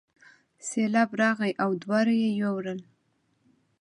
سیلاب راغی او دواړه یې یووړل.